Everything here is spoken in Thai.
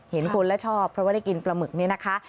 เห็นคนแล้วชอบเพราะว่าได้กินปลาหมึกนี้นะคะ